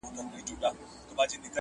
د بلبل په نوم هیچا نه وو بللی٫